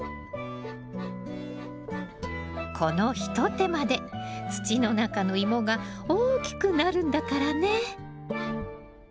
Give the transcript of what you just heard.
この一手間で土の中のイモが大きくなるんだからね！